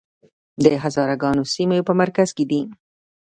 د هزاره ګانو سیمې په مرکز کې دي